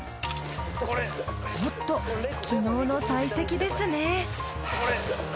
おっと昨日の砕石ですね。